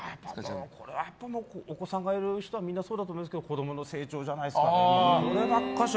これはやっぱりお子さんがいる人はみんなそうだと思いますけど子供の成長じゃないですかね。